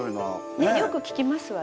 ねえよく聞きますわね。